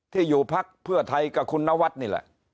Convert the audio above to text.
ที่อยู่พักเพื่อไทยกับคุณนวัดนี่แหละ